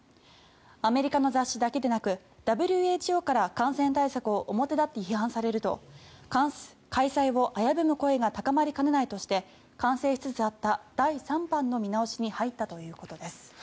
アメリカの雑誌だけでなくＷＨＯから感染対策を表立って批判されると開催を危ぶむ声が高まりかねないとして完成しつつあった第３版の見直しに入ったということです。